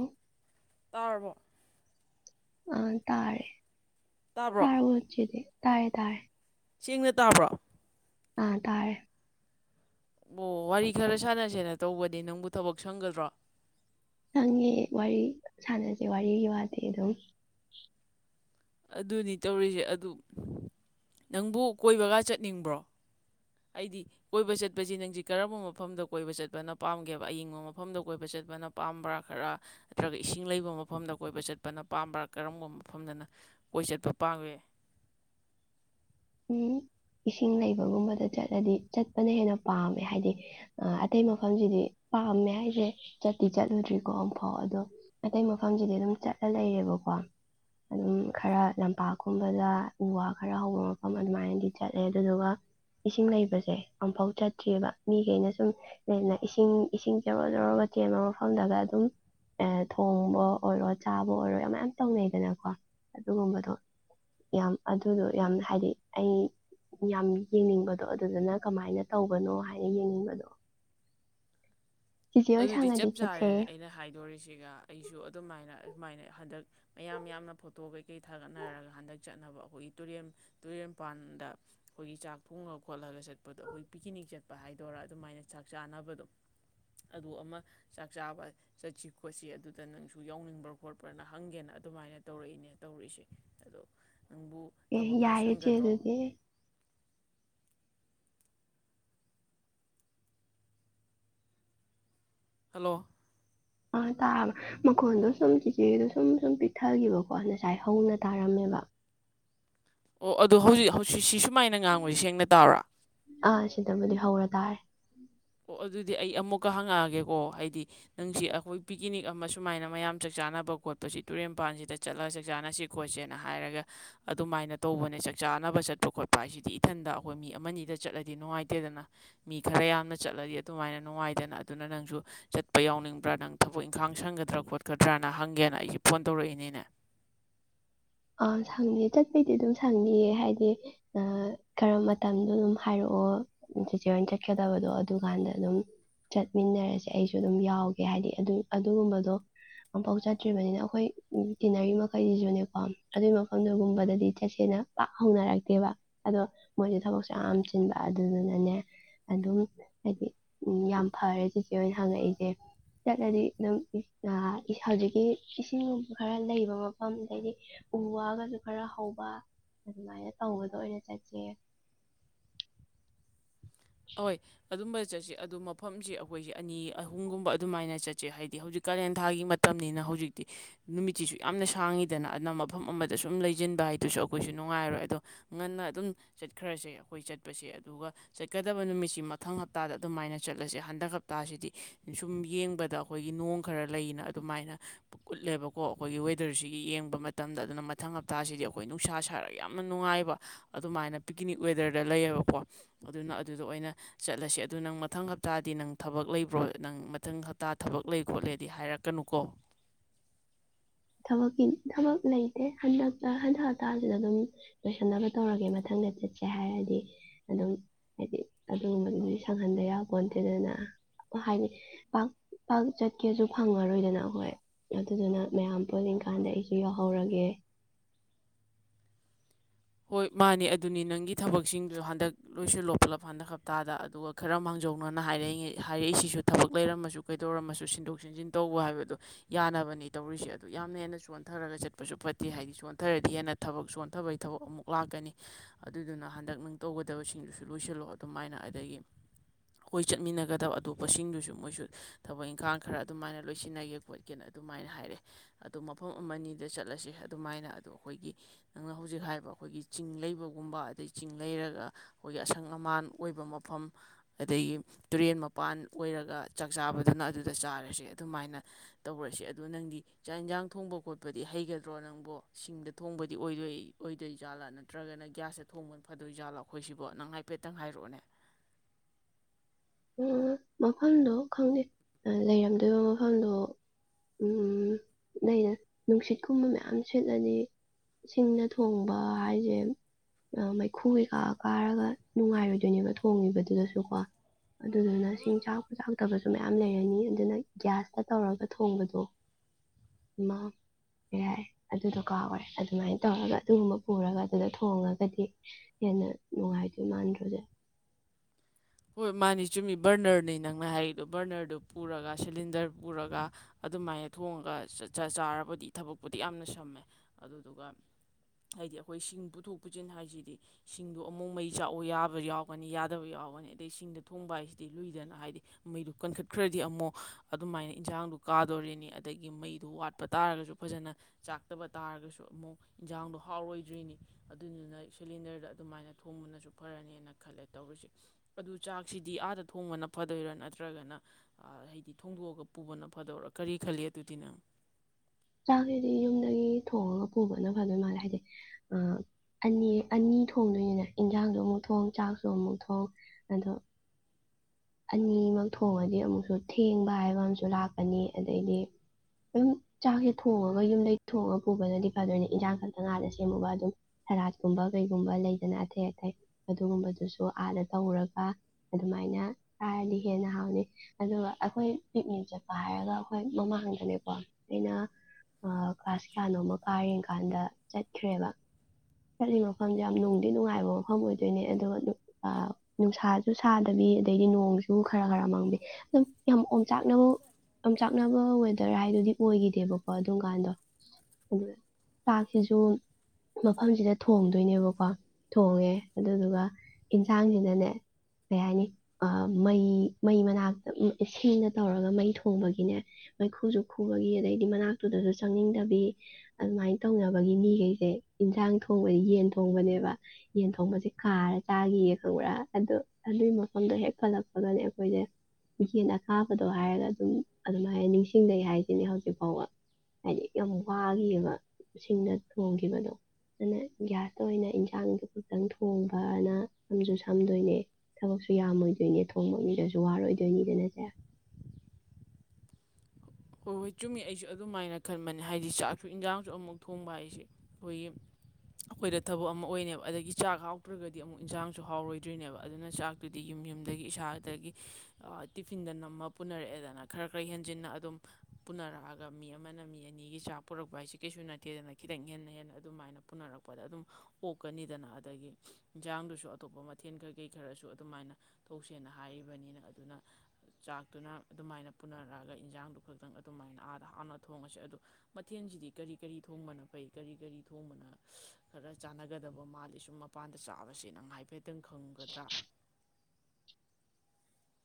ꯑꯦ ꯇꯔꯔꯕ ꯑ ꯇꯥꯏꯔꯦ ꯇꯥꯕ꯭ꯔꯣ ꯇꯕ ꯆꯦꯗꯤ ꯇꯥꯏꯌꯦ ꯇꯥꯏꯌꯦ ꯁꯦꯡꯅ ꯇꯥꯕ꯭ꯔꯣ ꯑꯥ ꯇꯥꯔꯦ ꯑꯣ ꯋꯥꯔꯤ ꯈꯔ ꯁꯥꯟꯅꯁꯦꯅ ꯇꯧꯕꯗꯤ ꯅꯪꯕꯨ ꯊꯕꯛ ꯁꯪꯒꯗ꯭ꯔꯣ ꯁꯪꯉꯦ ꯋꯥꯔꯤ ꯁꯥꯟꯅꯁꯦ ꯋꯥꯔꯤꯒꯤ ꯋꯥꯗꯤꯦ ꯑꯗꯨꯝ ꯑꯗꯨꯅꯤ ꯇꯧꯔꯤꯁꯦ ꯑꯗꯨ ꯅꯪꯕꯨ ꯀꯣꯏꯕꯒ ꯆꯠꯅꯤꯡꯕ꯭ꯔꯣ ꯑꯩꯗꯤ ꯀꯣꯏꯕ ꯆꯠꯄꯁ ꯅꯪꯁ ꯀꯔꯝꯕ ꯃꯐꯝꯗ ꯀꯣꯏꯕ ꯆꯠꯄꯅ ꯄꯥꯝꯒꯦꯕ ꯑꯏꯤꯡꯕ ꯃꯐꯝꯗ ꯀꯣꯏꯕ ꯆꯠꯄꯅ ꯄꯥꯝꯕ꯭ꯔꯥ ꯈꯔ ꯅꯠꯇ꯭ꯔꯒ ꯏꯁꯤꯡ ꯂꯩꯕ ꯃꯐꯝꯗ ꯀꯣꯏꯕ ꯆꯠꯄꯅ ꯄꯥꯝꯕ꯭ꯔꯥ ꯀꯔꯝꯕ ꯃꯐꯝꯗꯅ ꯀꯣꯏꯆꯠꯠꯇꯨ ꯄꯥꯡꯏꯦ ꯎꯝ ꯏꯁꯤꯡ ꯂꯩꯕꯒꯨꯝꯕꯗ ꯆꯠꯂꯗꯤ ꯆꯠꯄꯅ ꯍꯦꯟꯅ ꯄꯥꯝꯃꯦ ꯍꯥꯏꯗꯤ ꯑꯇꯩ ꯃꯐꯝꯁꯤꯗꯤ ꯄꯥꯝꯃꯦ ꯍꯥꯏꯁꯦ ꯆꯠꯇꯤ ꯆꯠꯂꯨꯗ꯭ꯔꯤꯀꯣ ꯑꯃꯨꯛꯐꯥꯎ ꯑꯗꯣ ꯑꯇꯩ ꯃꯐꯝꯁꯤꯗꯤ ꯑꯗꯨꯝ ꯆꯠꯂ ꯂꯩꯔꯦꯕꯀꯣ ꯑꯗꯨꯝ ꯈꯔ ꯂꯝꯄꯥꯛꯀꯨꯝꯕꯗ ꯎ ꯋꯥ ꯈꯔ ꯍꯧꯕ ꯃꯐꯝ ꯑꯗꯨꯃꯥꯏꯅꯗꯤ ꯆꯠꯂꯦ ꯑꯗꯨꯗꯨꯒ ꯏꯁꯤꯡ ꯂꯩꯕꯁꯦ ꯑꯃꯐꯥꯎ ꯆꯠꯇ꯭ꯔꯤꯑꯕ ꯃꯤꯈꯩꯅ ꯁꯨꯝ ꯂꯩꯗꯅ ꯏꯁꯤꯡ ꯏꯁꯤꯡ ꯔ ꯖꯔꯒ ꯆꯦꯟꯕ ꯃꯐꯝꯗꯒ ꯑꯗꯨꯝ ꯊꯣꯡꯕ ꯑꯣꯏꯔꯣ ꯆꯥꯕ ꯑꯣꯏꯔꯣ ꯌꯥꯝ ꯃꯌꯥꯝ ꯇꯧꯅꯩꯗꯅꯀꯣ ꯑꯗꯨꯒꯨꯝꯕꯗꯣ ꯌꯥꯝ ꯑꯗꯨꯗꯣ ꯌꯥꯝ ꯍꯥꯏꯗꯤ ꯑꯩ ꯌꯥꯝ ꯌꯦꯡꯅꯤꯡꯕꯗꯣ ꯑꯗꯨꯗꯨꯅ ꯀꯃꯥꯏꯅ ꯇꯧꯧꯕꯅꯣ ꯍꯥꯏꯅ ꯌꯦꯡꯅꯤꯡꯕꯗꯣ ꯆꯤꯆꯦ ꯍꯣꯏ ꯑꯗꯨꯗꯤ ꯁꯪꯉꯗꯤ ꯆꯞ ꯆꯠꯁꯦ ꯆꯥꯔꯦꯅꯦ ꯑꯩꯅ ꯍꯥꯏꯗꯣꯔꯤꯁꯤꯒ ꯑꯩꯁꯨ ꯑꯗꯨꯃꯥꯏꯅ ꯑꯗꯨꯃꯥꯏꯅ ꯍꯟꯗꯛ ꯃꯌꯥꯝ ꯌꯥꯝꯅ ꯐꯣꯇꯣ ꯀꯩꯀꯩ ꯊꯥꯒꯠꯅꯔꯒ ꯍꯟꯗꯛ ꯆꯠ ꯆꯅꯕ ꯑꯩꯈꯣꯏꯒꯤ ꯇꯨꯔꯦꯟ ꯇꯨꯔꯦꯟꯄꯥꯟꯗ ꯑꯩꯈꯣꯏꯒꯤ ꯆꯥꯛ ꯊꯣꯡꯉ ꯈꯣꯠꯂꯒ ꯆꯠꯄꯗꯣ ꯑꯩꯈꯣꯏ ꯄꯤꯛꯅꯤꯛ ꯆꯠꯄ ꯍꯥꯏꯗꯣꯏꯔꯥ ꯑꯗꯨꯃꯥꯏꯅ ꯆꯥꯛ ꯆꯥꯅꯕꯗꯣ ꯑꯗꯨ ꯑꯃ ꯆꯥꯛ ꯆꯥꯕ ꯆꯠꯁꯤ ꯈꯣꯠꯁꯤ ꯑꯗꯨꯗ ꯅꯪꯁꯨ ꯌꯥꯎꯅꯤꯡꯕ꯭ꯔꯥ ꯈꯣꯠꯄ꯭ꯔꯥꯅ ꯍꯪꯒꯦꯅ ꯑꯗꯨꯃꯥꯏꯅ ꯇꯧꯔꯛꯏꯅꯦ ꯇꯧꯔꯛꯏꯁꯦ ꯑꯗꯣ ꯅꯪꯕꯨ ꯑꯦ ꯊꯕꯛꯀ ꯌꯥꯏꯦ ꯆꯦ ꯁꯪꯒꯗ꯭ꯔꯣ ꯑꯗꯨꯗꯤ ꯍꯜꯂꯣ ꯑ ꯇꯥꯕ ꯃꯈꯣꯟꯗꯣ ꯁꯨꯝ ꯆꯤꯆꯦꯗꯣ ꯁꯨꯝ ꯁꯨꯝ ꯄꯤꯛꯊꯈꯤꯕꯀꯣ ꯉꯁꯥꯏ ꯍꯧꯅ ꯇꯥꯔꯝꯃꯦꯕ ꯑꯣ ꯑꯣ ꯍꯧꯖꯤꯛ ꯍꯧꯖꯤꯛ ꯁꯤ ꯁꯨꯃꯥꯏꯅ ꯉꯥꯡꯕ ꯁꯦꯡꯅ ꯇꯥꯎꯔ ꯕꯨꯗꯤ ꯍꯧꯔ ꯇꯥꯔꯦ ꯑꯗꯨꯗꯤ ꯑꯩ ꯑꯃꯨꯛꯀ ꯍꯪꯉꯛꯑꯒꯦꯀꯣ ꯍꯥꯏꯗꯤ ꯅꯪꯁꯤ ꯑꯩꯈꯣꯏ ꯄꯤꯛꯅꯤꯛ ꯑꯃ ꯁꯨꯃꯥꯏꯅ ꯃꯌꯥꯝ ꯆꯥꯛ ꯆꯥꯅꯕ ꯈꯣꯠꯄꯁꯤ ꯇꯨꯔꯦꯟꯄꯥꯟꯁꯤꯗ ꯆꯠꯂꯒ ꯆꯥꯛ ꯆꯥꯅꯁꯦ ꯈꯣꯠꯁꯦꯅ ꯍꯥꯏꯔꯒ ꯑꯗꯨꯃꯥꯏꯅ ꯇꯧꯕꯅꯦ ꯆꯥꯛ ꯆꯥꯅꯕ ꯆꯠꯄ ꯈꯣꯠꯄ ꯍꯥꯏꯁꯤꯗꯤ ꯏꯊꯟꯗ ꯑꯩꯈꯣꯏ ꯃꯤ ꯑꯃꯅꯤ ꯑꯗ ꯆꯠꯂꯗꯤ ꯅꯨꯡꯉꯥꯏꯇꯦꯗꯅ ꯃꯤ ꯈꯔ ꯌꯥꯝꯅ ꯆꯠꯂꯗꯤ ꯑꯗꯨꯃꯥꯏꯅ ꯅꯨꯡꯉꯥꯏꯗꯅ ꯑꯗꯨꯅ ꯅꯪꯁꯨ ꯆꯠꯄ ꯌꯥꯎꯅꯤꯡꯕ꯭ꯔꯥ ꯅꯪ ꯊꯕꯛ ꯏꯪꯈꯥꯡ ꯁꯪꯒꯗ꯭ꯔꯥ ꯈꯣꯠꯀꯗ꯭ꯔꯅ ꯍꯪꯒꯦꯅ ꯑꯩꯁꯦ ꯐꯣꯟ ꯇꯧꯔꯛꯏꯅꯤꯅꯦ ꯑꯥ ꯁꯪꯅꯤꯌꯦ ꯆꯠꯄꯩꯗꯤ ꯑꯗꯨꯝ ꯁꯪꯅꯤꯌꯦ ꯍꯥꯏꯗꯤ ꯈꯔ ꯃꯇꯝꯗꯣ ꯑꯗꯨꯝ ꯍꯥꯏꯔꯛꯑꯣ ꯁꯤꯆꯟ ꯆꯠꯀꯗꯕꯗꯣ ꯑꯗꯨꯀꯥꯟꯗ ꯑꯗꯨꯝ ꯆꯠꯃꯤꯟꯅꯔꯁꯦ ꯑꯩꯁꯨ ꯑꯗꯨꯝ ꯌꯥꯎꯒꯦ ꯍꯥꯏꯕꯗꯤ ꯑꯗꯨ ꯑꯗꯨꯒꯨꯝꯕꯗꯣ ꯑꯃꯨꯛꯐꯥꯎ ꯆꯠꯇ꯭ꯔꯤꯕꯅꯤꯅ ꯑꯩꯈꯣꯏ ꯇꯤꯟꯅꯔꯤ ꯃꯈꯩꯁꯤꯁꯨꯅꯦꯀꯣ ꯑꯗꯨꯏ ꯃꯐꯝꯗꯨꯒꯨꯝꯕꯗꯗꯤ ꯆꯠꯁꯦꯅ ꯄꯥꯛ ꯍꯧꯅꯔꯛꯇꯦꯕ ꯑꯗꯣ ꯃꯣꯏꯁꯨꯦ ꯊꯕꯛꯁꯨ ꯌꯥꯝ ꯆꯤꯟꯕ ꯑꯗꯨꯗꯨꯅꯅꯦ ꯑꯗꯨꯝ ꯍꯥꯏꯗꯤ ꯎ ꯌꯥꯝ ꯐꯔꯦ ꯆꯆꯦ ꯑꯣꯏꯅ ꯍꯪꯉꯛꯏꯁꯦ ꯆꯠꯂꯗꯤ ꯑꯗꯨꯝ ꯍꯧꯖꯤꯛꯀꯤ ꯏꯁꯤꯡꯒꯕ ꯈꯔ ꯂꯩꯕ ꯃꯐꯝ ꯑꯗꯩꯗꯤ ꯎ ꯋꯥꯒꯁꯨ ꯈꯔ ꯍꯧꯕ ꯑꯗꯨꯃꯥꯏꯅ ꯇꯧꯕꯗ ꯑꯣꯏꯅ ꯆꯠꯁ ꯍꯣꯏ ꯑꯗꯨ ꯆꯠꯁꯦ ꯑꯗꯣ ꯃꯐꯝꯁꯦ ꯑꯩꯈꯣꯏꯁꯦ ꯑꯅꯤ ꯑꯍꯨꯝꯒꯨꯝꯕ ꯑꯗꯨꯃꯥꯏꯅ ꯆꯠꯁꯦ ꯍꯥꯏꯗꯤ ꯍꯧꯖꯤꯛ ꯀꯥꯂꯦꯟ ꯊꯥꯒꯤ ꯃꯇꯝꯅꯤꯅ ꯍꯧꯖꯤꯛꯇꯤ ꯅꯨꯃꯤꯠꯇꯤꯁꯨ ꯌꯥꯝꯅ ꯁꯥꯡꯉꯤꯗꯅ ꯑꯗꯨꯅ ꯃꯐꯝ ꯑꯃꯗ ꯁꯨꯝ ꯂꯩꯁꯤꯟꯕ ꯍꯥꯏꯗꯨꯁꯨ ꯑꯩꯈꯣꯏꯁꯨ ꯅꯨꯡꯉꯥꯏꯔꯣꯏ ꯑꯗꯣ ꯉꯟꯅ ꯑꯗꯨꯝ ꯆꯠꯈ꯭ꯔꯁꯦ ꯑꯩꯈꯣꯏ ꯆꯠꯄꯁꯦ ꯑꯗꯨꯒ ꯄꯤꯛꯀꯗꯕ ꯅꯨꯃꯤꯠꯁꯤ ꯃꯊꯪ ꯍꯞꯇꯥꯗ ꯑꯗꯨꯃꯥꯏꯅ ꯆꯠꯂꯁꯦ ꯍꯟꯗꯛ ꯍꯞꯇꯥꯁꯤꯗꯤ ꯁꯨꯝ ꯌꯦꯡꯕꯗ ꯑꯩꯈꯣꯏꯒꯤ ꯅꯣꯡ ꯈꯔ ꯂꯩꯅ ꯑꯗꯨꯃꯥꯏꯅ ꯎꯠꯂꯦꯕꯀꯣ ꯑꯩꯈꯣꯏꯒꯤ ꯋꯦꯗꯔꯁꯤꯒꯤ ꯌꯦꯡꯕ ꯃꯇꯝꯗ ꯑꯗꯨꯅ ꯃꯊꯪ ꯍꯞꯇꯥꯁꯤꯗꯤ ꯑꯩꯈꯣꯏ ꯅꯨꯡꯁꯥ ꯁꯥꯔꯒ ꯌꯥꯝꯅ ꯅꯨꯡꯉꯥꯏꯕ ꯑꯗꯨꯃꯥꯏꯅ ꯄꯤꯛꯅꯤꯛ ꯋꯦꯗꯔꯗ ꯂꯩꯌꯦꯕꯀꯣ ꯑꯗꯨꯅ ꯑꯗꯨꯗ ꯑꯣꯏꯅ ꯆꯠꯂꯁꯤ ꯑꯗꯨ ꯅꯪ ꯃꯊꯪ ꯍꯞꯇꯥꯗꯤ ꯅꯪ ꯊꯕꯛ ꯂꯩꯕ꯭ꯔꯣ ꯅꯪ ꯃꯊꯪ ꯍꯞꯇꯥ ꯊꯕꯛ ꯂꯩ ꯈꯣꯠꯂꯦꯗꯤ ꯍꯥꯏꯔꯛꯀꯅꯨꯀꯣ ꯊꯕꯛꯀꯤ ꯊꯕꯛ ꯂꯩꯇꯦ ꯍꯟꯗ ꯍꯟꯗꯛ ꯍꯞꯇꯥꯁꯤꯗ ꯑꯗꯨꯝ ꯂꯣꯏꯁꯟꯅꯕ ꯇꯧꯔꯒꯦ ꯃꯊꯪꯗ ꯆꯠꯁꯦ ꯍꯥꯏꯔꯗꯤ ꯑꯗꯨꯝ ꯍꯥꯏꯗꯤ ꯑꯗꯨꯒꯨꯝꯕꯗꯨꯗꯤ ꯁꯪꯍꯟꯕ ꯌꯥ ꯀꯣꯟꯠꯇꯦꯗꯅ ꯍꯥꯏꯗꯤ ꯄꯥꯛ ꯄꯥꯛ ꯆꯠꯀꯦꯁꯨ ꯐꯪꯉꯔꯣꯏꯗꯅ ꯍꯈꯣꯏ ꯑꯗꯨꯗꯨꯅ ꯃꯌꯥꯝ ꯄꯣꯜꯂꯤ ꯀꯥꯟꯗ ꯑꯩꯁꯨ ꯌꯥꯎꯍꯧꯔꯒꯦ ꯍꯣꯏ ꯃꯥꯅꯦ ꯑꯗꯨꯅꯤ ꯅꯪꯒꯤ ꯊꯕꯛꯁꯤꯡꯗꯨꯣ ꯍꯟꯗꯛ ꯂꯣꯏꯁꯨ ꯂꯣꯞꯄꯂꯞ ꯍꯟꯗꯛ ꯍꯞꯇꯥꯗ ꯑꯗꯨꯒ ꯈꯔ ꯃꯥꯡꯖꯧꯅꯅ ꯍꯥꯏꯔꯛꯏ ꯍꯥꯏꯔꯛꯏꯁꯤꯁꯨ ꯊꯕꯛ ꯂꯩꯔꯝꯃꯁꯨ ꯀꯩꯗꯧꯔꯝꯃꯁꯨ ꯁꯤꯟꯗꯣꯛ ꯁꯤꯟꯖꯤꯟ ꯇꯧꯕ ꯍꯥꯏꯕꯗꯣ ꯌꯥꯅꯕꯅꯤ ꯇꯧꯔꯤꯁꯦ ꯑꯗꯨꯣ ꯌꯥꯝꯅ ꯍꯦꯟꯅ ꯁꯣꯟꯊꯔꯒ ꯆꯠꯄꯁꯨ ꯐꯠꯇꯦ ꯍꯥꯏꯗꯤ ꯁꯣꯟꯊꯔꯗꯤ ꯍꯦꯟꯅ ꯊꯕꯛ ꯁꯣꯟꯊꯕꯩ ꯊꯕꯛ ꯑꯃꯨꯛ ꯂꯥꯛꯀꯅꯤ ꯑꯗꯨꯗꯨꯅ ꯍꯟꯗꯛ ꯅꯪ ꯇꯧꯒꯗꯕꯁꯤꯡꯗꯨꯁꯨ ꯂꯣꯏꯁꯤꯜꯂꯣ ꯑꯗꯨꯃꯥꯏꯅ ꯑꯗꯒꯤ ꯑꯩꯈꯣꯏ ꯆꯠꯃꯤꯟꯅꯒꯗꯕ ꯑꯇꯣꯞꯄꯁꯤꯡꯗꯨꯁꯨ ꯃꯣꯏꯁꯨ ꯊꯕꯛ ꯏꯪꯈꯥꯡ ꯈꯔ ꯑꯗꯨꯃꯥꯏꯅ ꯂꯣꯏꯁꯤꯟꯅꯒꯦ ꯈꯣꯠꯀꯦꯅ ꯑꯗꯨꯃꯥꯏꯅ ꯍꯥꯏꯔꯛꯑꯦ ꯑꯗꯣ ꯃꯐꯝ ꯑꯃꯅꯤꯗ ꯆꯠꯂꯁꯦ ꯑꯗꯨꯃꯥꯏꯅ ꯑꯗꯣ ꯑꯩꯈꯣꯏꯒꯤ ꯅꯪꯅ ꯍꯧꯖꯤꯛ ꯍꯧꯖꯤꯛ ꯍꯥꯏꯕ ꯑꯩꯈꯣꯏꯒꯤ ꯆꯤꯡ ꯂꯩꯕꯒꯨꯝꯕ ꯑꯗꯩ ꯆꯤꯡ ꯂꯩꯔꯒ ꯑꯩꯈꯣꯏꯒꯤ ꯑꯁꯪ ꯑꯃꯥꯟ ꯑꯣꯏꯕ ꯃꯐꯝ ꯑꯗꯒꯤ ꯇꯨꯔꯦꯟ ꯃꯄꯥꯟ ꯑꯣꯏꯔꯒ ꯆꯥꯛ ꯆꯥꯕꯗꯅ ꯑꯗꯨꯗ ꯆꯥꯔꯁꯦ ꯑꯗꯨꯃꯥꯏꯅ ꯇꯧꯔꯁꯦ ꯑꯗ ꯅꯪꯗꯤ ꯆꯥꯛ ꯌꯦꯟꯁꯥꯡ ꯊꯣꯡꯕ ꯈꯣꯠꯄꯗꯤ ꯍꯩꯒꯗ꯭ꯔꯣ ꯅꯪꯕꯨ ꯁꯤꯡꯗ ꯊꯣꯡꯕꯗꯤ ꯑꯣꯏꯗꯣꯏ ꯑꯣꯏꯗꯣꯏꯖꯥꯠꯂꯥ ꯅꯠꯇ꯭ꯔꯒꯅ ꯒ꯭ꯌꯥꯁꯇ ꯊꯣꯡꯕꯅ ꯐꯗꯣꯏꯖꯥꯠꯂꯥ ꯑꯩꯈꯣꯏꯁꯤꯕꯣ ꯅꯪ ꯍꯥꯏꯐꯦꯠꯇꯪ ꯍꯥꯏꯔꯛꯑꯣꯅꯦ ꯃꯐꯝꯗꯣ ꯈꯪꯗꯦ ꯂꯩꯔꯝꯗꯣꯏꯕ ꯃꯐꯝꯗꯣ ꯎ ꯂꯩ ꯅꯨꯡꯁꯤꯠꯀꯨꯝꯕ ꯃꯌꯥꯝ ꯁꯦꯠꯂꯗꯤ ꯁꯤꯡꯅ ꯊꯣꯡꯕ ꯍꯥꯏꯁꯦ ꯃꯩꯈꯨ ꯀꯩꯀꯥ ꯀꯥꯔꯒ ꯅꯨꯡꯉꯥꯏꯔꯣꯏꯗꯣꯏꯅꯦꯕ ꯊꯣꯡꯉꯤꯕꯗꯨꯗꯁꯨꯀꯣ ꯑꯗꯨꯗꯨꯅ ꯁꯤꯡ ꯆꯥꯛꯄ ꯆꯥꯛꯗꯕ ꯑꯗꯨ ꯃꯌꯥꯝ ꯂꯩꯔꯅꯤ ꯑꯗꯨꯅ ꯒ꯭ꯌꯥꯁꯇ ꯇꯧꯔꯒ ꯊꯣꯡꯕꯗꯣ ꯑꯃꯔ ꯑꯗꯨ ꯗꯣꯀꯥꯔ ꯑꯣꯏꯔꯦ ꯑꯗꯨꯃꯥꯏꯅ ꯇꯧꯔꯒ ꯑꯗꯨꯒꯨꯝꯕ ꯄꯨꯔꯒ ꯑꯗꯨꯗ ꯊꯣꯡꯉꯒꯗꯤ ꯍꯦꯟꯅ ꯅꯨꯡꯉꯥꯏꯗꯣꯏ ꯃꯥꯟꯗ꯭ꯔꯣꯁꯦ ꯍꯣꯏ ꯃꯥꯅꯤ ꯆꯨꯝꯃꯤ ꯕꯔꯅꯔꯅꯤ ꯅꯪꯅ ꯍꯥꯏꯔꯤꯗꯣ ꯕꯔꯅꯔꯗꯨ ꯄꯨꯔꯒ ꯁꯤꯂꯤꯟꯗꯔ ꯄꯨꯔꯒ ꯑꯗꯨꯃꯥꯏꯅ ꯊꯣꯡꯉꯒ ꯆꯥꯔꯕꯗꯤ ꯊꯕꯛꯄꯨꯗꯤ ꯌꯥꯝꯅ ꯁꯝꯃꯦ ꯑꯗꯨꯗꯨꯒ ꯍꯥꯏꯗꯤ ꯑꯩꯈꯣꯏ ꯁꯤꯡ ꯄꯨꯊꯣꯛ ꯄꯨꯁꯤꯟ ꯍꯥꯏꯁꯤꯗꯤ ꯁꯤꯡꯗ ꯑꯃꯨꯛ ꯃꯩ ꯆꯥꯛꯎ ꯌꯥꯕ ꯌꯥꯎꯒꯅꯤ ꯌꯥꯗꯕ ꯌꯥꯎꯒꯅꯤ ꯑꯇꯩ ꯁꯤꯡꯗ ꯊꯣꯡꯕ ꯍꯥꯏꯁꯤꯗꯤ ꯂꯨꯏꯗꯅ ꯍꯥꯏꯗꯤ ꯃꯩꯗꯨ ꯀꯟꯈꯠꯈ꯭ꯔꯗꯤ ꯑꯃꯨꯛ ꯑꯗꯨꯃꯥꯏꯅ ꯏꯟꯁꯥꯡꯗꯨ ꯀꯥꯗꯣꯔꯤꯅꯤ ꯑꯗꯒꯤ ꯃꯩꯗꯨ ꯋꯥꯠꯄ ꯇꯥꯔꯒꯁꯨ ꯐꯖꯅ ꯆꯥꯛꯇꯕ ꯇꯥꯔꯒꯁꯨ ꯑꯃꯨꯛ ꯏꯟꯁꯥꯡꯗꯣ ꯍꯥꯎꯔꯣꯏꯗ꯭ꯔꯤꯅꯤ ꯑꯗꯨꯗꯨꯅ ꯁꯤꯂꯤꯟꯗꯔꯗ ꯑꯗꯨꯃꯥꯏꯅ ꯊꯣꯡꯕꯅꯁꯨ ꯐꯔꯅꯦꯅ ꯈꯜꯂꯦ ꯇꯧꯔꯤꯁꯦ ꯑꯗꯨ ꯆꯥꯛꯁꯤꯗꯤ ꯑꯥꯗ ꯊꯣꯡꯕꯅ ꯐꯗꯣꯏꯔꯥ ꯅꯠꯇ꯭ꯔꯒꯅ ꯍꯥꯏꯗꯤ ꯊꯣꯡꯗꯣꯛꯑꯒ ꯄꯨꯕꯅ ꯐꯗꯣꯏꯔꯥ ꯀꯔꯤ ꯈꯜꯂꯤ ꯑꯗꯨꯗꯤꯅꯪ ꯆꯥꯛꯁꯤꯗꯤ ꯌꯨꯝꯗꯒꯤ ꯊꯣꯡꯉꯒ ꯄꯨꯕꯅ ꯐꯗꯣꯏ ꯃꯥꯜꯂꯦ ꯍꯥꯏꯗꯤ ꯑꯅꯤ ꯑꯅꯤ ꯊꯣꯡꯗꯣꯏꯅꯤꯅ ꯏꯟꯖꯥꯡꯁꯨ ꯑꯃꯨꯛ ꯊꯣꯡ ꯆꯥꯛꯁꯨ ꯑꯃꯨꯛ ꯊꯣꯡ ꯑꯗꯣ ꯑꯅꯤꯃꯛ ꯊꯣꯡꯉꯗꯤ ꯑꯃꯨꯛꯁꯨ ꯊꯦꯡꯕ ꯍꯥꯏꯕ ꯑꯃꯁꯨ ꯂꯥꯛꯀꯅꯤ ꯑꯗꯩꯗꯤ ꯑꯗꯨꯝ ꯆꯥꯛꯁꯦ ꯊꯣꯡꯉꯒ ꯌꯨꯝꯗ ꯊꯣꯡꯉꯒ ꯄꯨꯕꯗꯗꯤ ꯐꯥꯗꯣꯏꯅꯦ ꯏꯟꯖꯥꯡ ꯈꯛꯇ ꯉꯥꯗ ꯁꯦꯝꯃꯨꯒ ꯑꯗꯨꯝ ꯁꯔꯥꯠꯀꯨꯝꯕ ꯀꯩꯒꯨꯝꯕ ꯂꯩꯗꯅ ꯑꯊꯇꯩ ꯑꯊꯩ ꯑꯗꯨꯒꯨꯝꯕꯗꯨꯁꯨ ꯑꯥꯗ ꯇꯧꯔꯒ ꯑꯗꯨꯃꯥꯏꯅ ꯍꯥꯏꯔꯗꯤ ꯍꯦꯟꯅ ꯍꯥꯎꯅꯤ ꯑꯗꯨꯒ ꯑꯩꯈꯣꯏ ꯄꯤꯛꯅꯤꯛ ꯆꯠꯄ ꯍꯥꯏꯔꯒ ꯑꯩꯈꯣꯏ ꯃꯃꯥꯡꯗꯅꯦꯀꯣ ꯑꯩꯅ ꯀ꯭ꯂꯥꯁ ꯀꯌꯥꯅꯣ ꯑꯃ ꯀꯥꯔꯤ ꯀꯥꯟꯗ ꯆꯠꯈ꯭ꯔꯦꯕ ꯆꯠꯂꯤꯕ ꯃꯐꯝꯁꯦ ꯌꯥꯝ ꯅꯨꯡꯗꯤ ꯅꯨꯡꯉꯥꯏꯕ ꯃꯐꯝ ꯑꯣꯏꯗꯣꯏꯅꯦ ꯑꯗꯣ ꯅꯨꯡꯁꯥꯁꯨ ꯁꯥꯗꯕꯤ ꯑꯗꯩꯗꯤ ꯅꯣꯡꯁꯨ ꯈꯔ ꯈꯔ ꯃꯥꯡꯕꯤ ꯑꯗꯨꯝ ꯌꯥꯝ ꯌꯣꯡꯆꯥꯛꯅꯕ ꯌꯣꯡꯆꯥꯛꯅꯕ ꯋꯦꯗꯔ ꯍꯥꯏꯗꯨꯗꯤ ꯑꯣꯏꯈꯤꯗꯦꯕꯀꯣ ꯑꯗꯨꯝ ꯀꯥꯟꯗꯣ ꯑꯗꯨ ꯆꯥꯛꯁꯤꯁꯨ ꯃꯐꯝꯁꯤꯗ ꯊꯣꯡꯗꯣꯏꯅꯦꯕꯀꯣ ꯊꯣꯡꯉꯦ ꯑꯗꯨꯗꯨꯒ ꯏꯟꯁꯥꯡꯁꯤꯗꯅꯦ ꯀꯩ ꯍꯥꯏꯅꯤ ꯃꯩ ꯃꯩ ꯃꯅꯥꯛꯇ ꯏꯁꯤꯡꯅ ꯇꯧꯔꯒ ꯃꯩ ꯊꯣꯡꯕꯒꯤꯅꯦ ꯃꯩꯈ ꯈꯨꯁꯨ ꯈꯨꯕꯒꯤ ꯑꯗꯩꯗꯤ ꯃꯅꯥꯛꯇꯨꯗꯁꯨ ꯆꯪꯅꯤꯡꯗꯕꯤ ꯑꯗꯨꯃꯥꯏꯅ ꯇꯧꯅꯕꯒꯤ ꯃꯤꯈꯩꯁꯦ ꯌꯦꯟꯁꯥꯡ ꯊꯣꯡꯕꯗ ꯌꯦꯟ ꯊꯣꯡꯕꯅꯦꯕ ꯌꯦꯟ ꯊꯣꯡꯕꯁꯦ ꯀꯥꯔ ꯆꯥꯈꯤꯌꯦ ꯈꯪꯕ꯭ꯔꯥ ꯑꯗꯨꯗ ꯑꯗꯨꯒꯤ ꯃꯐꯝꯗꯣ ꯍꯦꯛ ꯐꯠꯂꯛꯄꯒꯅꯦ ꯑꯩꯈꯣꯏꯁꯦ ꯌꯦꯟ ꯑꯈꯥꯕꯗꯣ ꯍꯥꯏꯔꯒ ꯑꯗꯨꯝ ꯑꯗꯨꯃꯥꯏꯅ ꯅꯤꯡꯁꯤꯡꯅꯩ ꯍꯥꯏꯁꯤꯅꯦ ꯍꯧꯖꯤꯛ ꯐꯥꯎꯕ ꯍꯥꯏꯗꯤ ꯌꯥꯝ ꯋꯥꯈꯤꯑꯕ ꯁꯤꯡꯗ ꯊꯣꯡꯈꯤꯕꯗꯣ ꯑꯗꯨꯅ ꯒ꯭ꯌꯥꯁꯇ ꯑꯣꯏꯅ ꯏꯟꯁꯥꯡꯗꯣ ꯈꯛꯇꯪ ꯊꯣꯡꯕꯅ ꯁꯝꯁꯨ ꯁꯝꯗꯣꯏꯅꯦ ꯊꯕꯛꯁꯨ ꯌꯥꯝꯃꯣꯏꯗꯣꯏꯅꯦ ꯊꯣꯡꯕ ꯃꯤꯗꯁꯨ ꯋꯥꯔꯣꯏꯗꯣꯏꯅꯤꯗꯅꯁꯦ ꯍꯣꯏ ꯍꯣꯏ ꯆꯨꯝꯃꯤ ꯑꯩꯁꯨ ꯑꯗꯨꯝꯥꯏꯅ ꯈꯟꯕꯅꯦ ꯍꯥꯏꯗꯤ ꯆꯥꯛꯁꯨ ꯏꯟꯖꯥꯡꯁꯨ ꯑꯃꯨꯛ ꯊꯣꯡꯕ ꯍꯥꯏꯁꯦ ꯑꯩꯈꯣꯏꯒꯤ ꯑꯩꯈꯣꯏꯗ ꯊꯕꯛ ꯑꯃ ꯑꯣꯏꯅꯅꯦꯕ ꯑꯗꯒꯤ ꯆꯥꯛ ꯍꯥꯎꯇ꯭ꯔꯒꯗꯤ ꯑꯃꯨꯛ ꯏꯟꯖꯥꯡꯁꯨ ꯍꯥꯎꯔꯣꯏꯗ꯭ꯔꯤꯅꯦꯕ ꯑꯗꯨꯅ ꯆꯥꯛꯇꯨꯗꯤ ꯌꯨꯝ ꯌꯨꯝꯗꯒꯤ ꯏꯁꯥꯗꯒꯤ ꯇꯤꯐꯤꯟꯗ ꯅꯝꯃ ꯄꯨꯅꯔꯛꯑꯦꯗꯅ ꯈꯔ ꯈꯔ ꯍꯦꯟꯖꯤꯟꯅ ꯑꯗꯨꯝ ꯄꯨꯅꯔꯛꯑꯒ ꯃꯤ ꯑꯃꯅ ꯃꯤ ꯑꯅꯤꯒꯤ ꯆꯥꯛ ꯄꯨꯔꯛꯄ ꯍꯥꯏꯁꯤ ꯀꯩꯁꯨ ꯅꯠꯇꯦꯗꯅ ꯈꯤꯇꯪ ꯍꯦꯟꯅ ꯍꯦꯟꯅ ꯑꯗꯨꯃꯥꯏꯅ ꯄꯨꯅꯔꯛꯄꯗ ꯑꯗꯨꯝ ꯑꯣꯛꯀꯅꯤꯗꯅ ꯑꯗꯒꯤ ꯏꯟꯖꯥꯡꯗꯨꯁꯨ ꯑꯇꯣꯞꯄ ꯃꯊꯦꯜ ꯈꯔ ꯀꯩ ꯈꯔꯁꯨ ꯑꯗꯨꯃꯥꯏꯅ ꯊꯣꯛꯁꯦꯅ ꯍꯥꯏꯔꯤꯕꯅꯤꯅ ꯑꯗꯨꯅ ꯆꯥꯛꯇꯨꯅ ꯑꯗꯨꯃꯥꯏꯅ ꯄꯨꯅꯔꯛꯑꯒ ꯏꯟꯖꯥꯡꯗꯨ ꯈꯛꯇꯪ ꯑꯗꯨꯃꯥꯏꯅ ꯑꯥꯗ ꯍꯥꯟꯅ ꯊꯣꯡꯉꯁꯦ ꯑꯗꯣ ꯃꯊꯦꯜꯁꯤꯗꯤ ꯀꯔꯤ ꯀꯔꯤ ꯊꯣꯡꯕꯅ ꯐꯩ ꯀꯔꯤ ꯀꯔꯤ ꯊꯣꯡꯕꯅ ꯈꯔ ꯆꯥꯟꯅꯒꯗꯕ ꯃꯥꯜꯂꯤ ꯁꯨꯝ ꯃꯄꯥꯟꯗ ꯆꯥꯕꯁꯦꯅ ꯉꯥꯏꯐꯦ ꯈꯤꯇꯪ ꯈꯪꯒꯗ꯭ꯔꯥ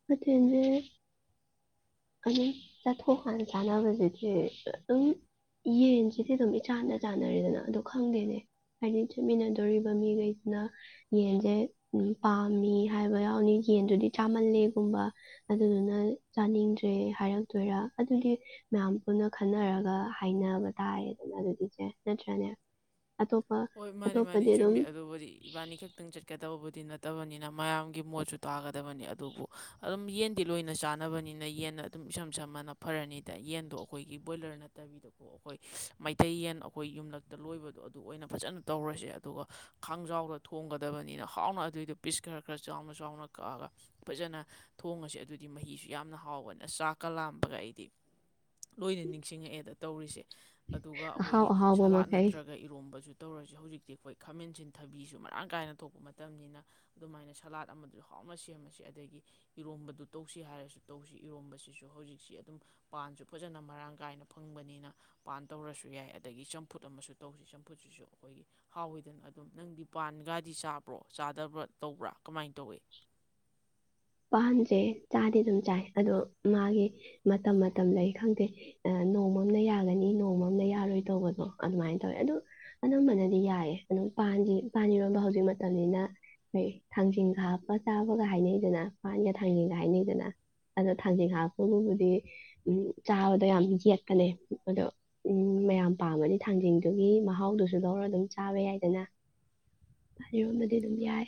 ꯃꯆꯖ ꯑꯗꯨꯝ ꯆꯠꯊꯣꯛꯀꯥꯟꯅ ꯆꯥꯅꯕꯁꯤꯗꯤ ꯑꯗꯨꯝ ꯌꯦꯟꯁꯤꯗꯤ ꯑꯗꯨꯝ ꯏꯆꯥꯟꯅ ꯆꯥꯅꯔꯦꯗꯅ ꯑꯣ ꯈꯪꯗꯦꯅꯦ ꯍꯥꯏꯗꯤ ꯆꯠꯃꯤꯟꯅꯗꯣꯔꯤꯕ ꯃꯤꯈꯩꯗꯨꯅ ꯌꯦꯟꯁꯦ ꯄꯥꯝꯃꯤ ꯍꯥꯏꯕ ꯌꯥꯎꯅꯤ ꯌꯦꯟꯗꯨꯗꯤ ꯆꯥꯝꯃꯜꯂꯦꯒꯨꯝꯕ ꯑꯗꯨꯗꯨꯅ ꯆꯥꯅꯤꯡꯗ꯭ꯔꯦ ꯠꯇ꯭ꯔꯦ ꯍꯥꯏꯔꯛꯇꯣꯏꯔ ꯑꯗꯨꯒꯤ ꯃꯌꯥꯝ ꯄꯨꯟꯅ ꯈꯟꯅꯔꯒ ꯍꯥꯏꯅꯕ ꯇꯥꯏꯌꯦ ꯑꯗꯨꯝ ꯑꯗꯨꯒꯤꯁꯦ ꯅꯠꯇ꯭ꯔꯅꯦ ꯍꯣꯏ ꯃꯥꯅꯤ ꯃꯥꯅꯤ ꯆꯨꯝꯃꯤ ꯑꯗꯨꯕꯨꯗꯤ ꯏꯕꯥꯅꯤ ꯈꯛꯇꯪ ꯆꯠꯀ ꯇꯧꯕꯗꯤ ꯅꯠꯇꯕꯅꯤꯅ ꯃꯌꯥꯝꯒꯤ ꯃꯣꯠꯁꯨ ꯇꯥꯒꯗꯕꯅꯤ ꯑꯗꯨꯕꯨ ꯑꯗꯨꯝ ꯌꯦꯟꯗꯤ ꯂꯣꯏꯅ ꯆꯥꯅꯕꯅꯤꯅ ꯌꯦꯟꯅꯟꯅ ꯑꯗꯨꯝ ꯏꯁꯝ ꯁꯝ ꯃꯅ ꯐꯔꯅꯤꯗ ꯌꯦꯟꯗꯣ ꯑꯩꯈꯣꯏꯒꯤ ꯕꯣꯏꯂꯔ ꯅꯠꯇꯕꯤꯗꯀꯣ ꯑꯩꯈꯣꯏ ꯃꯩꯇꯩ ꯌꯦꯟ ꯑꯩꯈꯣꯏ ꯌꯨꯝꯂꯛꯇ ꯂꯣꯏꯕꯗꯣ ꯑꯗꯨ ꯑꯣꯏꯅ ꯐꯖꯅ ꯇꯧꯔꯁꯦ ꯑꯗꯨꯒ ꯈꯥꯡꯖꯥꯎꯗ ꯊꯣꯡꯒꯗꯕꯅꯤꯅ ꯍꯥꯎꯅ ꯑꯗꯨꯏꯗꯣ ꯄꯤꯁ ꯈꯔ ꯈꯔ ꯆꯥꯎꯅ ꯆꯥꯎꯅ ꯀꯛꯑꯒ ꯐꯖꯅ ꯊꯣꯡꯉꯁꯦ ꯑꯗꯨꯗꯤ ꯃꯍꯤꯁꯨ ꯌꯥꯝꯅ ꯍꯥꯎꯕꯅꯤꯅ ꯆꯥꯛꯀ ꯂꯥꯝꯕꯒ ꯑꯩꯗꯤ ꯂꯣꯏꯅ ꯅꯤꯡꯁꯤꯡꯉꯛꯑꯦꯗ ꯇꯧꯔꯤꯁꯦ ꯑꯗꯨꯒ ꯑꯩꯈꯣꯏꯒꯤ ꯁꯂꯥꯠ ꯅꯠꯇ꯭ꯔꯒ ꯏꯔꯣꯝꯕꯁꯨ ꯇꯧꯔꯁꯤ ꯍꯧꯖꯤꯛꯇꯤ ꯑꯩꯈꯣꯏ ꯈꯥꯃꯦꯟꯁꯤꯟ ꯊꯕꯤꯁꯨ ꯃꯔꯥꯡ ꯀꯥꯏꯅ ꯊꯣꯛꯄ ꯃꯇꯝꯅꯤꯅ ꯑꯗꯨꯃꯥꯏꯅ ꯁꯂꯥꯠ ꯑꯃꯗꯨꯁꯨ ꯍꯥꯎꯅ ꯁꯦꯝꯃꯁꯤ ꯑꯗꯒꯤ ꯏꯔꯣꯝꯕꯗꯨ ꯇꯧꯁꯤ ꯍꯥꯏꯔꯁꯨ ꯇꯧꯁꯤ ꯏꯔꯣꯝꯕꯁꯤꯁꯨ ꯍꯧꯖꯤꯛꯁꯤ ꯑꯗꯨꯝ ꯄꯥꯟꯁꯨ ꯐꯖꯅ ꯃꯔꯥꯡ ꯀꯥꯏꯅ ꯐꯪꯕꯅꯤꯅ ꯄꯥꯟ ꯇꯧꯔꯁꯨ ꯌꯥꯏ ꯑꯗꯒꯤ ꯆꯝꯐꯨꯠ ꯑꯃꯁꯨ ꯇꯧꯁꯤ ꯆꯝꯐꯨꯠꯁꯤꯁꯨ ꯑꯩꯈꯣꯏꯒꯤ ꯍꯥꯎꯋꯤꯗꯅ ꯑꯗꯨꯝ ꯅꯪ ꯄꯥꯟꯒꯗꯤ ꯆꯥꯕ꯭ꯔꯣ ꯆꯥꯗꯕ꯭ꯔꯥ ꯇꯧꯕ꯭ꯔꯥ ꯀꯃꯥꯏꯅ ꯇꯧꯏꯤ ꯄꯥꯟꯁꯦ ꯆꯥꯗꯤ ꯑꯗꯨꯝ ꯆꯥꯏ ꯑꯗꯣ ꯃꯥꯒꯤ ꯃꯇꯝ ꯃꯇꯝꯗ ꯈꯪꯗꯦ ꯅꯣꯡꯃꯝꯅ ꯌꯥꯒꯅꯤ ꯅꯣꯡꯃꯝꯅ ꯌꯥꯔꯣꯏ ꯇꯧꯕꯗꯣ ꯑꯗꯨꯃꯥꯏꯅ ꯇꯧꯋꯦ ꯑ ꯑꯅꯝꯕꯅꯗꯤ ꯌꯥꯏꯌꯦ ꯑꯗꯨꯝ ꯄꯥꯟꯁꯤ ꯄꯥꯟꯔꯣꯟꯕ ꯍꯧꯖꯤꯛ ꯃꯇꯝꯅꯤꯅ ꯑꯩꯩ ꯊꯥꯡꯖꯤꯡ ꯍꯥꯞꯄ ꯆꯥꯕꯒ ꯍꯥꯏꯅꯩꯗꯅ ꯅꯒ ꯊꯥꯡꯖꯤꯡ ꯍꯥꯏꯅꯩꯗꯅ ꯑꯗꯣ ꯊꯥꯡꯖꯤꯡ ꯍꯥꯞꯄꯕꯨꯕꯨꯗꯤ ꯎ ꯆꯥꯕꯗꯣ ꯌꯥꯝ ꯌꯦꯛꯄꯅꯦ ꯑꯗꯣ ꯎꯝ ꯃꯌꯥꯝ ꯄꯥꯝꯃꯅꯤ ꯊꯥꯡꯖꯤꯡꯗꯨꯒꯤ ꯃꯍꯥꯎꯗꯨꯁꯨ ꯂꯧꯔ ꯑꯗꯨꯝ ꯆꯥꯕ ꯌꯥꯏꯗꯅ ꯑꯩꯔꯣꯟꯗꯗꯤ ꯑꯗꯨꯝ ꯌꯥꯏ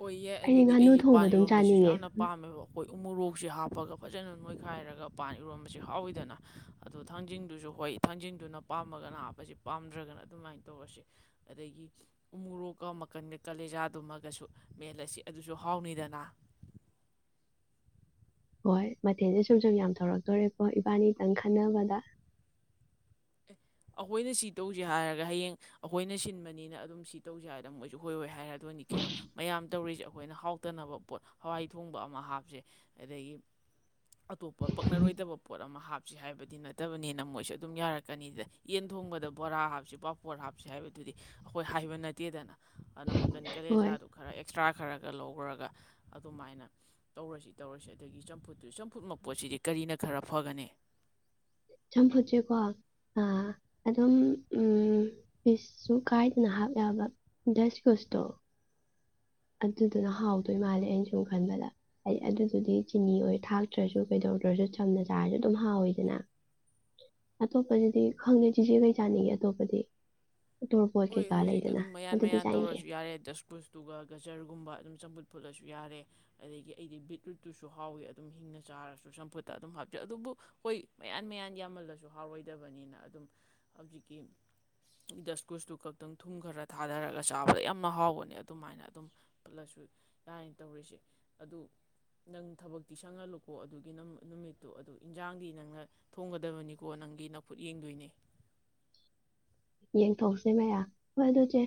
ꯑꯣꯏꯌꯦ ꯑꯩꯗꯤ ꯑꯗꯨꯗꯤ ꯉꯥꯅꯨ ꯊꯣꯡꯕ ꯑꯩꯁꯨꯄꯥꯟ ꯑꯗꯨꯝ ꯏꯔꯣꯟꯕꯁꯤꯁꯨ ꯆꯥꯅꯤꯡꯉꯦ ꯌꯥꯝꯅ ꯄꯥꯝꯃꯦꯕ ꯑꯩꯈꯣꯏ ꯎꯃꯣꯔꯣꯛ ꯎꯁꯤ ꯍꯥꯞꯄꯒ ꯐꯖꯅ ꯅꯣꯏꯈꯥꯏꯔꯒ ꯄꯥꯟ ꯏꯔꯣꯟꯝꯕꯁ ꯍꯥꯎꯋꯤꯗꯅ ꯑꯗꯣ ꯊꯥꯡꯖꯤꯡꯗꯨꯁꯨ ꯍꯣꯏ ꯊꯥꯡꯖꯤꯡꯗꯨꯅ ꯄꯥꯝꯃꯒꯅ ꯍꯥꯞꯄꯁ ꯄꯥꯝꯗ꯭ꯔꯒꯅ ꯑꯗꯨꯃꯥꯏꯅ ꯇꯧꯔꯁ ꯑꯗꯒꯤ ꯎꯃꯣꯔꯣꯛꯀ ꯃꯈꯟꯗ ꯀꯥꯂꯦꯖꯥꯗꯨꯃꯒꯁꯨ ꯃꯦꯜꯂ ꯑꯁꯤ ꯑꯗꯨꯁꯨ ꯍꯥꯎꯅꯤꯗꯅ ꯍꯣꯏ ꯃꯊꯦꯜꯁꯦ ꯁꯨꯝ ꯁꯨꯝ ꯌꯥꯝ ꯊꯧꯔꯛꯇꯣꯔꯦꯀꯣ ꯏꯕꯥꯅꯤꯇꯪ ꯈꯟꯅꯕꯗ ꯑꯩꯈꯣꯏꯅ ꯁꯤ ꯇꯧꯁꯦ ꯍꯥꯏꯔꯒ ꯍꯌꯦꯡ ꯑꯩꯈꯣꯏꯅ ꯁꯤꯟꯕꯅꯤꯅ ꯑꯗꯨꯝ ꯁꯤ ꯇꯧꯁꯦ ꯍꯥꯏꯔꯗ ꯃꯣꯏꯁꯨ ꯍꯣꯏꯔꯣꯏ ꯍꯥꯏꯔ ꯑꯗꯨꯅꯤ ꯀꯩꯅꯣ ꯃꯌꯥꯝ ꯇꯧꯔꯤꯁꯦ ꯑꯩꯈꯣꯏꯅ ꯍꯥꯎꯇꯅꯕ ꯄꯣꯠ ꯍꯋꯥꯏ ꯊꯣꯡꯕ ꯑꯃ ꯍꯥꯞꯁꯦ ꯑꯗꯒꯤ ꯑꯇꯣꯞꯄ ꯄꯛꯅꯔꯣꯏꯗꯕ ꯄꯣꯠ ꯑꯃ ꯍꯥꯞ ꯁꯦ ꯍꯥꯏꯕꯗꯤ ꯅꯠꯇꯕꯅꯤꯅ ꯃꯣꯏꯁꯨ ꯑꯗꯨꯝ ꯌꯥꯔꯛꯀꯅꯤꯗ ꯌꯦꯟ ꯊꯣꯡꯕꯗ ꯕꯣꯔꯥ ꯍꯥꯞꯁꯤ ꯄꯥꯄꯣꯔ ꯍꯥꯞꯁꯤ ꯍꯥꯏꯕꯗꯨꯗꯤ ꯑꯩꯈꯣꯏ ꯍꯥꯏꯕ ꯅꯠꯇꯦꯗꯅ ꯑꯗꯨꯅ ꯀ ꯍꯣꯏ ꯀꯂꯦꯖꯥꯗꯣ ꯈꯔ ꯑꯦꯛꯁꯇ꯭ꯔꯥ ꯈꯔ ꯈ ꯂꯧꯈ꯭ꯔꯒ ꯑꯗꯨꯃꯥꯏꯅ ꯇꯧꯔꯁꯤ ꯇꯧꯔꯁꯤ ꯑꯗꯒꯤ ꯆꯝꯐꯨꯠꯇꯨ ꯆꯝꯐꯨꯠ ꯃꯄꯣꯠꯁꯤꯗꯤ ꯀꯔꯤꯅ ꯈꯔ ꯐꯒꯅꯤ ꯆꯝꯐꯨꯠꯁꯦꯀꯣ ꯑꯗꯨꯝ ꯄꯤꯁꯁꯨ ꯀꯥꯏꯗꯅ ꯍꯥꯞ ꯌꯥꯕ ꯗꯁꯀꯨꯁꯇꯣ ꯑꯗꯨꯗꯨꯅ ꯍꯥꯎꯗꯣꯏ ꯃꯥꯜꯂꯦ ꯑꯩꯅ ꯁꯨꯝ ꯈꯟꯕꯗ ꯍꯥꯏꯗꯤ ꯑꯗꯨꯗꯨꯗꯤ ꯆꯤꯅꯤ ꯑꯣꯏ ꯊꯥꯛꯇ꯭ꯔꯁꯨ ꯀꯩꯗꯧꯗ꯭ꯔꯁꯨ ꯁꯝꯅ ꯆꯥꯔꯁꯨ ꯑꯗꯨꯝ ꯍꯥꯎꯋꯤꯗꯅ ꯑꯇꯣꯞꯄꯁꯤꯗꯤ ꯈꯪꯗꯦ ꯆꯦꯆꯦ ꯀꯩ ꯆꯥꯅꯤꯒꯤ ꯑꯇꯣꯞꯄꯗꯤ ꯇꯣꯔꯕꯣꯠ ꯍꯣꯏ ꯀꯩꯀꯥ ꯍꯧꯖꯤꯛ ꯂꯩꯗꯅ ꯑꯗꯨꯝ ꯃꯌꯥꯟ ꯑꯗꯨꯗꯤ ꯃꯌꯥꯟ ꯆꯥꯅꯤꯡꯗꯦ ꯇꯧꯔꯁꯨ ꯌꯥꯔꯦ ꯗꯁꯀꯨꯁꯇꯨꯒ ꯒꯖꯔꯒꯨꯝꯕ ꯑꯗꯨꯝ ꯆꯝꯐꯨꯠ ꯐꯨꯠꯂꯁꯨ ꯌꯥꯔꯦ ꯑꯗꯒꯤ ꯑꯩꯗꯤ ꯕꯤꯠꯔꯨꯠꯇꯨꯁꯨ ꯍꯥꯎꯏꯤ ꯑꯗꯨꯝ ꯍꯤꯡꯅ ꯆꯥꯔꯁꯨ ꯆꯝꯐꯨꯠꯇ ꯑꯗꯨꯝ ꯍꯥꯞꯆꯩ ꯑꯗꯨꯕꯨ ꯍꯣꯏ ꯃꯌꯥꯟ ꯃꯌꯥꯟ ꯌꯥꯝꯃꯜꯂꯁꯨ ꯍꯥꯎꯔꯣꯏꯗꯕꯅꯤꯅ ꯑꯗꯨꯝ ꯍꯧꯖꯤꯛꯀꯤ ꯗ ꯏꯁ꯭ꯀꯨꯁꯇꯨ ꯈꯛꯇꯪ ꯊꯨꯝ ꯈꯔ ꯊꯥꯗꯔꯒ ꯆꯥꯕꯗ ꯌꯥꯝꯅ ꯍꯥꯎꯕꯅꯦ ꯑꯗꯨꯃꯥꯏꯅ ꯑꯗꯨꯝ ꯄꯜꯂꯁꯨ ꯌꯥꯅ ꯇꯧꯔꯤꯁꯦ ꯑꯗꯨ ꯅꯪ ꯊꯕꯛꯇꯤ ꯁꯪꯍꯜꯂꯨꯀꯣ ꯑꯗꯨꯒꯤ ꯅꯨꯃꯤꯠꯇꯣ ꯑꯗꯨ ꯏꯟꯖꯥꯡꯗꯤ ꯅꯪꯅ ꯊꯣꯡꯒꯗꯕꯅꯤꯀꯣ ꯅꯪꯒꯤ ꯅꯐꯨꯠ ꯌꯦꯡꯗꯣꯏꯅꯦ ꯌꯦꯡꯊꯣꯛꯁꯦ ꯃꯔ ꯍꯣꯏ ꯑꯗꯨꯆꯦ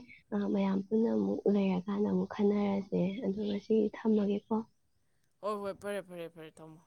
ꯃꯌꯥꯝ ꯄꯨꯟꯅ ꯑꯃꯨꯛ ꯂꯩꯔꯀꯥꯟꯗ ꯑꯃꯨꯛ ꯈꯟꯅꯔꯁꯦ ꯑꯗꯨꯒ ꯁꯤ ꯊꯝꯃꯒꯦꯀꯣ ꯍꯣꯏ ꯍꯣꯏ ꯐꯔꯦ ꯐꯔꯦ ꯐꯔꯦ ꯊꯝꯃꯣ